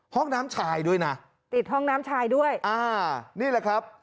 ห้องน้ำชายด้วยนะติดห้องน้ำชายด้วยอ่านี่แหละครับ